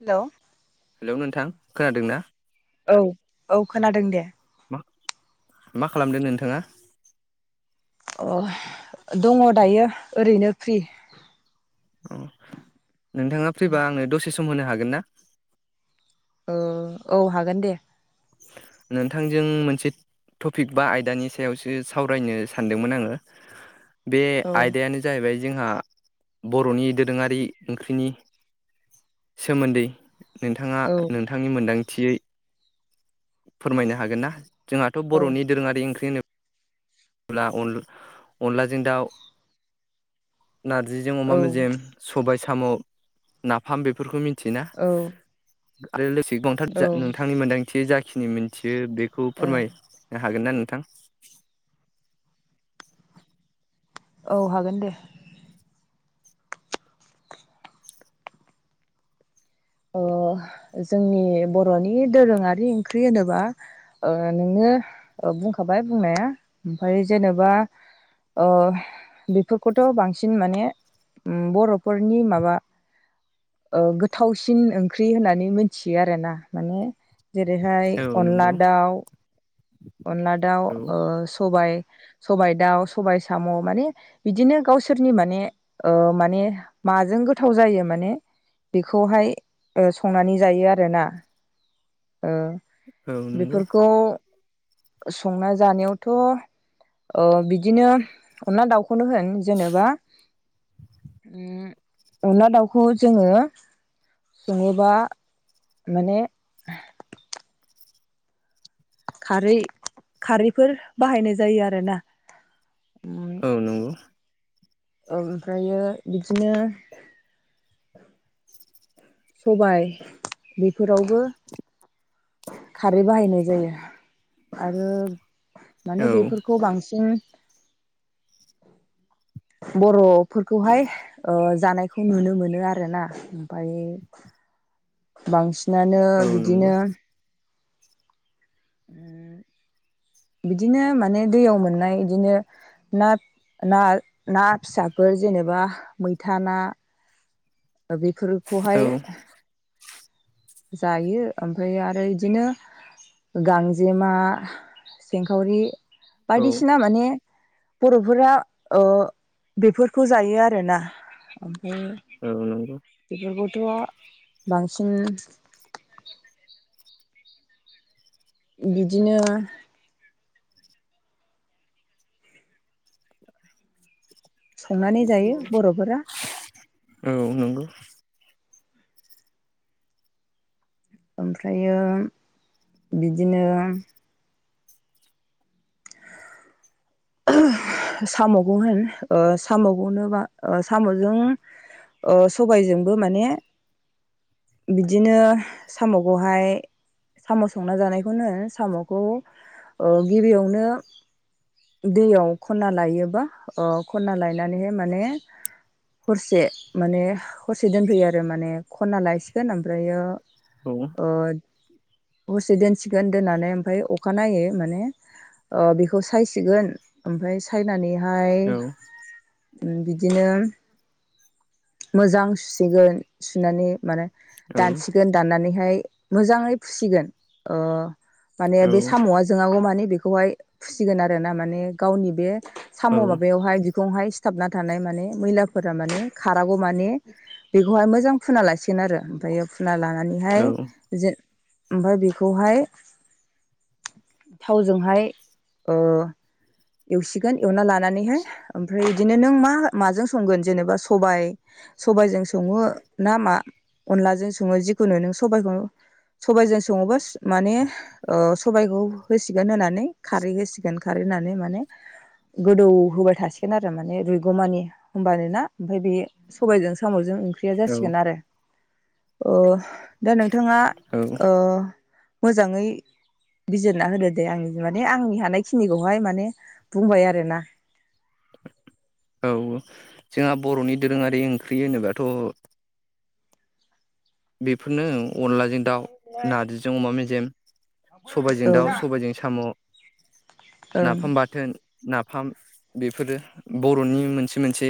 हेल' hello नोंथां खोनादों ना औ औ खोनादों दे मा मा खालामदों नोंथाङा अ दङ दायो ओरैनो फ्रि अ नोंथाङा फैबा आंनो दसे सम होनो हागोन ना औ हागोन दे नोंथांजों मोनसे टपिक बा आयदानि सायावसो सावरायनो सानदोंमोन आङो बे औ आयदायानो जाहैबाय जोंहा बर'नि दोरोङारि ओंख्रिनि सोमोन्दै नोंथाङा औ नोंथांनि मोनदांथियै फोरमायनो हागोन ना जोंहाथ' औ बर'नि दोरोङारि ओंख्रि होनोबो ला अनला जों दाउ नारजिजों अमा औ मेजेम सबाय साम' नाफाम बेफोरखौ मिथि मिथिना आरो लोगोसे औ गोबांथार नोंथांनि मोनदांथि जाखिनि मोनथियो बे खौ ओं फोरमायनो हागोन ना नोंथां औ हागोन दे ओ जोंनि बर'नि दोरोङारि ओंख्रि होनोबा नोंङ बुंखाबाय बुंनाया ओमफ्राय जेनेबा ओ बेफोरखौथ' बांसिन माने उम बर'फोरनि माबा गोथाव बांसिन ओंख्रि होननानै मिथियो आरो ना माने जेरैहाय औ अनला नंगौ दाउ अनला दाउ औ सबाय सबाइ दाउ सबायाइ साम' माने बिदिनो गावसोरनि माने माने माजों गोथाव जायो माने बेखौहाय संनानै जायो आरोना औ नंगौ बेफोरखौ संना जानायावथ' बिदिनो अनला दाउ खौनो होन जेनेबा उम अनला दाउखौ जोङो सङोबा माने खारै खारैफोर बाहायनाय जायो आरो ना औ नंगौ ओमफ्रायो बिदिनो सबाय बेफोरावबो खारै बाहायनाय जायो आरो माने औ बेफोरखौ बांसिन [inaudible] [unintelligible] बर'फोरखौहाय जानायखौ नुनो मोनो आरोना ओमफ्राय बांसिनानो औ नंगौ बिदिनो [inaudible] [unintelligible] बिदिनो माने दैयाव मोननाय बिदिनो ना ना ना फिसाफोर जेनेबा मैथा ना औ बेफोरखौहाय जायो ओमफाय आरो इदिनो गांजेमा सिंखावरि औ बायदिसिना माने बर'फोरा ओ बेफोरखौ जायो आरोना उम औ नंगौ बेफोरखौथ' बांसिन बिदिनो संनानै जायो बर'फोरा औ नंगौ ओमफ्रायो बिदिनो साम'खौ होन साम'खौनो बा साम'जों ओ सबायजोंबो माने बिदिनो साम'खौहाय साम' संना जानायखौनो साम'खौ ओ गिबियावनो दैयाव खनना लायोबा ओ खनना लायनानैहाय माने हरसे माने हरसे दोनफैयो आरो औ ओद हरसे दोनसिगोन दोननानै ओमफाय अखानायै माने बेखौ सायसिगोन ओमफाय सायनानैहाय औ ओम बिदिनो मोजां सुसिगोन सुनानै माने औ दानसिगोन दाननानैहाय मोजाङै फुसिगोन ओ माने बे औ साम'आ जोंङागौ मानि बेखौहाय फुसिगोन आरो ना माने गावनि बे साम' माबायावहाय बिखुंहाय- सिथाबना थानाय माने मैलाफोरा माने खारागौ माने बेखौहाय मोजां फुना लासिगोन आरो ओमफायो फुना लानानैहाय जों ओमफ्राय बेखौहाय थावजोंहाय ओ एवसिगोन एवना लानानैहाय ओमफ्राय बिदिनो नों मा माजों संगोन जेनेबा सबाय सबायाइजों सङो ना मा अनलाजों सङो जिखुनु नों सबाइखौ सबायजों सङोबा माने ओ सबाइखौ होसिगोन होनानै खारै होसिगोन खारै होनानै माने माने गोदौ होबाय थासिगोन आरो माने रुइग मानि होनबानोना ओमफाय बे सबायजों साम'जोंं ओंख्रिया औ जासिगोन आरो ओ दा नोंथाङा ओ मोजाङै बिजिरना होदो दे आंनि माने आंनि हानायखिनिखौहाय माने बुंबाय आरोना औ जोंहा बर'नि दोरोङारि ओंख्रि होनोबाथ' बेफोरनो अनलाजों- दाउ नारजिजों अमा मेजेम सबायजों दाउ औ सबाय- ओं नाफाम बाथोन नाफ फ्राय बेफोरो बर'नि मोनसे मोनसे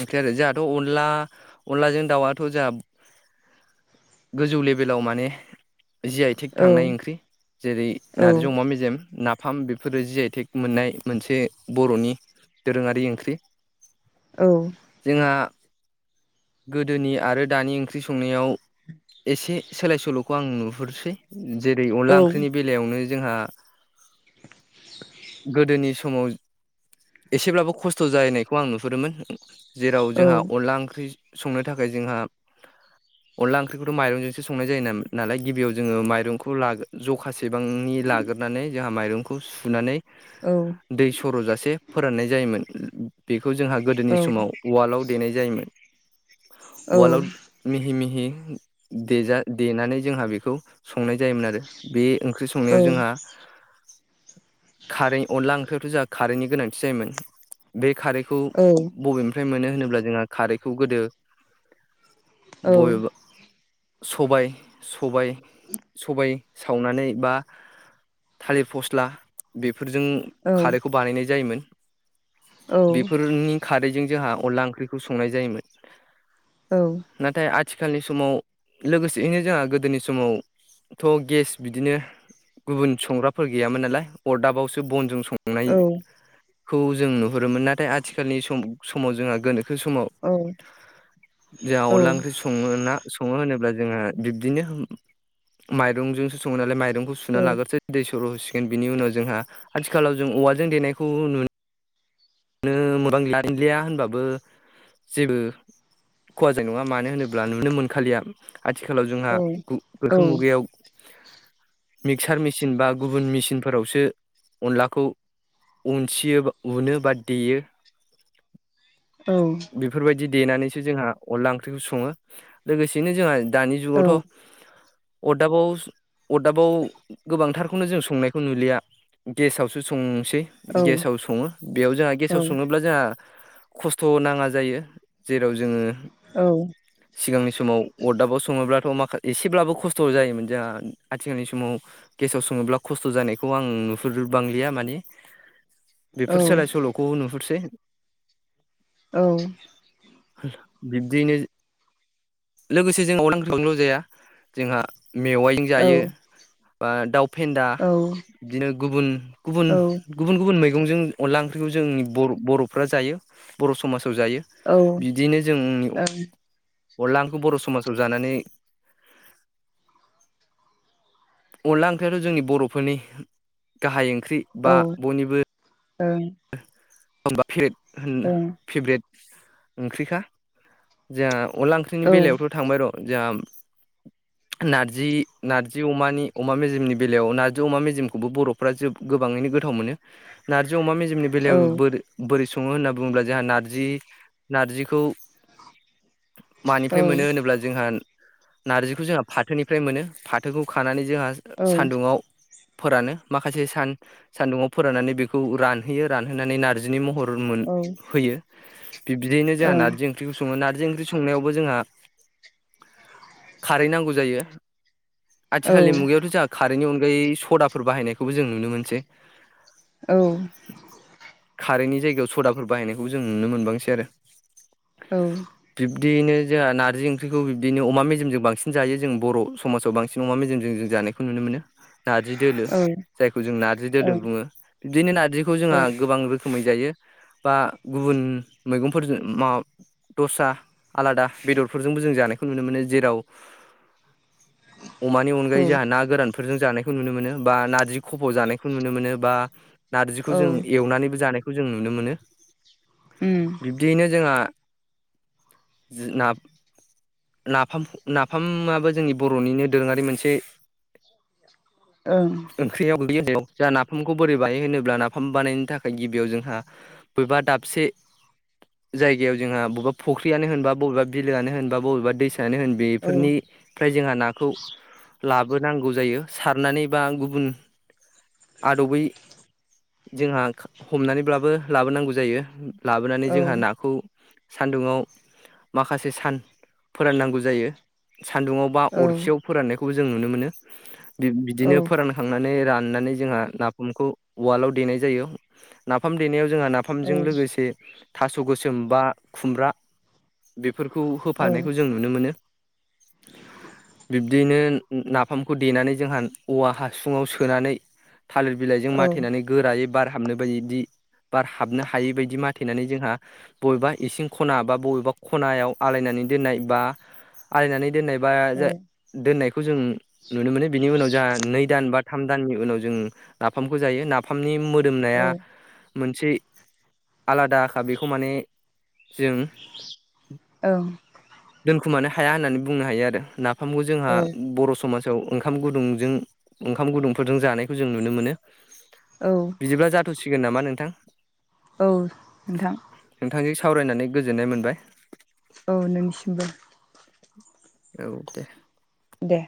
ओंख्रि आरो जोंहाथ' अनला अन अलाजों दाउआथ' जाहा गोजौ लेभेलाव माने जि आइ थेक ओं थांनाय ओंख्रि जेरै ओं नार्जि अमा मेजेम नाफ फाम बेफोरो जि आइटेंखौ मोननाय मोनसे बर'नि दोरोङारि ओंख्रि [inaudible] औ गोदोनि आरो दानि ओंख्रि संनायाव एसे सोलाय सोल'खौ आं नुहरसै जेरै अनला ओं ओंख्रि जोंहा एसेब्लाबो खस्थ' जाहैनायखौ आं नुहुरोमोन जेराव जोंहा अनला ओंख्रि संनो थाखाय जोंहा अनला ओं ख्रिखौथ' माइंजोंसो संनाय जायो ना नालाय गिबियाव जोङो मरंखौ ला जखासे- बेसेबांनि लाग्रोनानै जोंहा ओं फोराननाय जायोमोन बेखौ जोंहा औ गोदोनि समाव वाल्डआव देनाय जायोमोन। औ वाल्डआव मिहि मिहि देजा देनानै जोंहा बेखौ संनाय जायोमोन आरो बे ओंख्रि औ संनायाव जोङा खारै अनला ओंख्रियावथ' जोंहा खारैनि गोनांथि जायोमोन बे खारैखौ औ ओं बबेनिफ्राय मोनो होनोब्ला जोंहा खारैखौ गोदो बबेबो सबाय सबाय सबाय सावनानै बा थालिर फस्ला बेफोरजों खारैखौ बानायनाय जायोमोन। औ बेफोरनि खारैजों जोंहा अनला ओंख्रिखौ संनाय जायोमोन। नाथाय आथिखालनि समाव लोगोसेयैनो जोंहा गोदोनि समावथ' गेस बिदिनो गुबुन संग्राफोर गैयामोन नालाय अरदाबावसो बनजों औ खौ जों नुहुरोमोन नाथाय आथिखालनि सम समाव जोंह गोनो खो समाव औ जोंहा अनला ओंख्रि सङो ना सङो होनोब्ला जोङो बिबदिनो माइरंजों सङो नालाय माइरंखौ सुना लाग्रोनोसै दै सुर' होसिगोन बिनि उनाव जोंहा आथिखालाव जों औवाजों देनायखौ नुनो नो मोनबां लिया होनबाबो जेबो खहा जानाय नङा मानो होनोब्ला नुनो मोनखालिया आथिखालाव जोंहा गोनोखो औ मुगायाव मिक्सार मिचिन बा गुबुन मिचिनफोरावसो अनलाखौ उनसियो उनो बा देयो। औ बेफोरबायदि देनानैसो जोंहा अनला ओंख्रिखौ सङो लोगोसेयैनो जोंहा दानि जुगावथ' अरदाबाव अरदाबाव गोबांथार खौनो जों संनायखौ नुलिया गेसआवसो संसै गेस आाव सङो बेयाव जोंआ गेसाव सङोब्ला जाआ खस्थ' नाङा जायो जेराव जोङो सिगांनि समाव अरदाबाव सङोब्ला थ' माखासे एसेब्लाबो खस्थ' जायोमोन जोंहा आथिखालनि समाव गेसाव सङोब्ला खस्थ' जानायखौ आं नुफेर बांलिया माने बेफोर सोलाय सोल' फुरसै औ बिब्दियैनो लोगोसे जों [unintelligible] ओंख्रिखौल' जाया जोंहा मेवाइजों जायो बा दाउ फेन्दा बिदिनो गुबुन गुबुन गुबुन गुबुन मैगंजों अनला ओंख्रिखौ जों बर बर'फ्रा जायो बर' समाजाव जायो ओं बिदिनो जोंनि अनला खौ बर' समाजाव जानानै अनला ओंख्रियाथ' जोंनि बर'फोरनि गाहाय ओं ख्रि बा बयनिबो ओं [unintelligible] होन फेभरेट ओंख्रिखा जा अनला ओंख्रिनि बेलायावथ' थांबाय र' जाआ नारजि नारजि अमानि अमा मेजेमनि बेलायाव नारजि अमा मेजेमखौबो बर'फ्रा जोब गोबाङैनो गोथाव मोनो नारजि अमा मे जेमनि बेलायाव बोरै बोरै सङो होनना बुङोब्ला जोंहा नारजि नारजिखौ मानिफ्राय मोनो होनोब्ला जोंहा नारजिखौ जोंहा फाथोनिफ्राय मोनो फाथोखौ खानानै जोंहा सानदुङाव फोरानो माखासे सान सान्दुङाव फोराननानै बेखौ रानहोयो रानहोनानै नार्जिनि महर मोन होयो। बब्दियैनो जाहा नारजि ओंख्रिखौ सङो नारजि ओंख्रि संनायावबो जोङा खारै नांगौ जायो आथिखालनि मुगायावथ' जोंहा खारैनि अन बै सदाफोर बाहायनायखौबो जों नुनो मोनसै औ खारैनि जायगायाव सदाफोर बाहायनायखौ जों नुनो मोनबांसै आरो औ बिदियैनो जोंहा नारजि ओंख्रिखौ बिदिनो अमा मेजेमजों बांसिन जायो जों बर' समाजाव बांसिन अमा मेजमजों जों जायो नायखौ नुनो मोनो नारजि दोलो जायखौ जों नारजि दोलो बुङो बिदिनो नारजिखौ जोंहा ओं गोबां रोखोम रोखोमै जायो बा गुबुन मैगंफोरजों मा दस्रा आलादा बेदरफोरजोंबो जों जानायखौ नुनो मोनो जेराव अमानि अनगायै औ जोंहा ना गोरान फोरजों जानायखौ नुनो मोनो बा नारजि खफ' जानायखौ नुनो मोनो बा बेखौ औ जों एवनानैबो जानायखौ जों नुनो मोनो बिब्दियैनो जोंहा जि ना नाफाम नाफामाबो जोंनि बर'निनो दोरोङारि मोनसे ओंख्रियाव गोग्लैयो होनदो जोंहा नाफामखौ बोरै बानायो होनोब्ला नाफ फाम बानायनो थाखाय गिबियाव जोंहा बबेबा दाबसे जायगायाव जोंहा बबेबा फुख्रियानो होन बा बबेबा बिलोआनो होन बा बबेबा दैस मानो होन बेफोरनिफ्राय जोंहा नाखौ लाबोनांगौ जायो सारनानै बा गुबुन आदबै जोंहा हमनानैब्लाबो लाबोनांगौ जायो लाबोनानै जोंहा नाखौ सान्दुंङाव माखासे सान फोराननांगौ जायो सान्दुङाव बा अरखियाव फोराननायखौबो जों नुनो मोनो बिब बिदिनो फोरानखांनानै रा होनानै जोंहा नाफामखौ उआलाव देनाय जायो नाफाम देनायाव जों जोंहा नाफामजों लोगोसे थास' गोसोम बा खुमब्रा बे फोरखौ होफानायखौ जों नुनो मोनो बिब्दियैनो नाफामखौ देनानै जोंहा औवा हासुङाव सोनानै थालिर बिलाइजों माथेनानै गोरायै बारहाबनो बायदि बार हाबनो हायि बायदि माथेनानै जोंहा बबेबा इसिं खना बा बबेबा खनायाव आलायनानै नै दोननाय बा आलायनानै दोननाय बा जोहा दोननायखौ जों नुनो मोनो बिनि उनाव जोंहा नै दान बा थाम दाननि उनाव जों नाफामखौ जायो नाफामनि मोदोमनाया मोनसे आलादाखा बेखौ माने जों दोनखुमानो हाया होननानै बुंनो हायो आरो ना नाफामखौ जोंहा बर' समाज खौ ओंखाम गुदुंजों ओंखाम गुदुंफोरजों जानायखौ जों नुनो मोनो बिदिब्ला जाथ'सिगोन नामा नोंथां औ नोंथां नोंथांजों सावरायनानै गोजोननाय मोनबाय औ नोंनिसिमबो औ दे। दे।